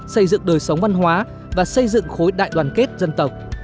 xây dựng đời sống văn hóa và xây dựng khối đại đoàn kết dân tộc